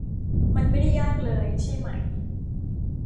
มันไม่ได้ยากเลย ใช่ไหม